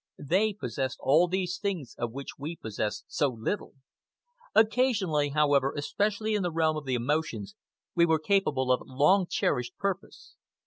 They possessed all these things of which we possessed so little. Occasionally, however, especially in the realm of the emotions, we were capable of long cherished purpose.